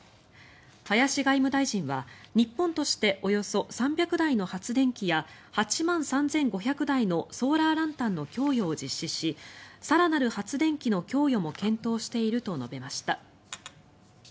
林外務大臣は日本としておよそ３００台の発電機や８万３５００台のソーラー・ランタンの供与を実施し更なる発電機の供与も検討していると述べました。